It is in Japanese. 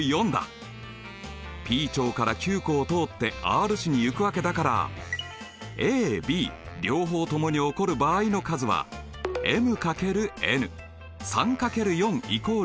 Ｐ町からＱ湖を通ってＲ市に行くわけだからＡＢ両方ともに起こる場合の数はｍ×ｎ